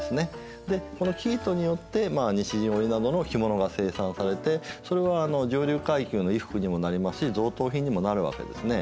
でこの生糸によってまあ西陣織などの着物が生産されてそれは上流階級の衣服にもなりますし贈答品にもなるわけですね。